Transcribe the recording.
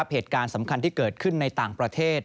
เหตุการณ์สำคัญที่เกิดขึ้นในต่างประเทศ